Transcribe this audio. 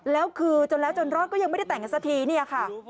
แล้วคือจนแล้วจนรอดก็ยังไม่ได้แต่งกันสักทีเนี่ยค่ะ